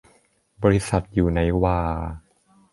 บริษัทอยู่ไหนหว่า